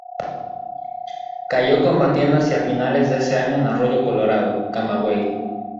Cayó combatiendo hacia finales de ese año en Arroyo Colorado, Camagüey.